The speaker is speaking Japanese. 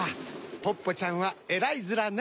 ポッポちゃんはえらいヅラね。